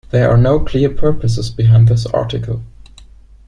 There are no clear purposes behind this article.